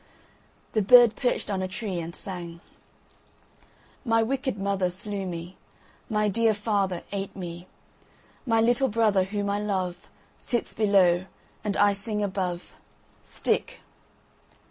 The bird perched on a tree and sang: "My wicked mother slew me, My dear father ate me, My little brother whom I love Sits below, and I sing above Stick!"